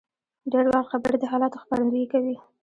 ډېر وخت خبرې د حالاتو ښکارندویي کوي.